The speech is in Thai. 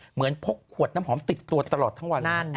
พกขวดน้ำหอมติดตัวตลอดทั้งวัน